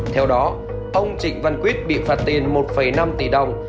theo đó ông trịnh văn quyết bị phạt tiền một năm tỷ đồng